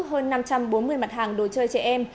hơn năm trăm bốn mươi mặt hàng đồ chơi trẻ em